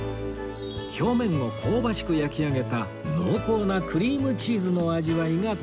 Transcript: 表面を香ばしく焼き上げた濃厚なクリームチーズの味わいが特徴です